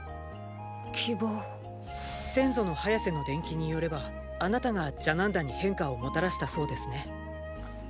先祖のハヤセの伝記によればあなたがジャナンダに変化をもたらしたそうですね。